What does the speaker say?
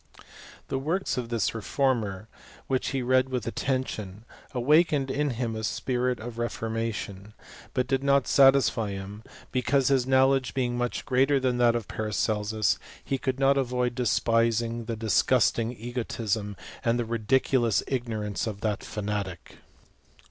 The works of this refomier, which he read with atten tion, awakened in him a spirit' of reformation, but did not satisfy him ; because his knowledge, being much greater than that of Paracelsus, he could not avoid despising the disgusting egotism, and the ridiculous ignorance of that fanatic.